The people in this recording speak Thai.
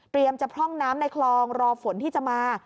จะพร่องน้ำในคลองรอฝนที่จะมา